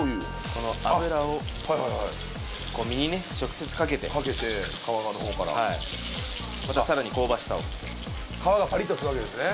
この油を身にね直接かけてかけて皮側のほうからまたさらに香ばしさを皮がパリッとするわけですね